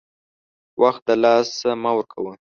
وخت دلاسه مه ورکوه !